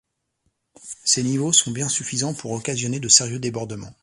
Ces niveaux sont bien suffisants pour occasionner de sérieux débordements.